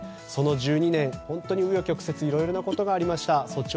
その１２年、本当に紆余曲折いろいろなことがありました。